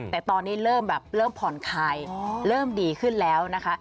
แต่ตอนนี้เริ่มแบบเริ่มผ่อนคลายเริ่มดีขึ้นแล้วนะคะ